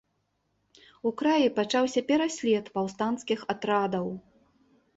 У краі пачаўся пераслед паўстанцкіх атрадаў.